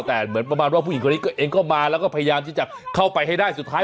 แต่เหมือนประมาณว่าผู้หญิงคนนี้เองก็มาแล้วก็พยายามที่จะเข้าไปให้ได้สุดท้าย